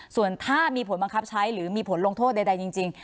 ส่วนถ้ามีผลบังคับใช้หรือมีผลลงโทษใดจริง